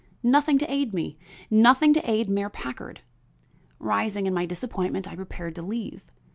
Nothing to aid me; nothing to aid Mayor Packard. Rising in my disappointment, I prepared to leave.